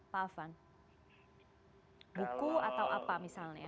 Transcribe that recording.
pak afan buku atau apa misalnya